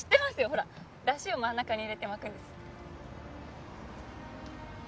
ほらだしを真ん中に入れて巻くんです。